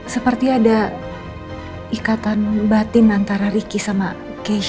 seperti ada ikatan batin antara ricky sama keisha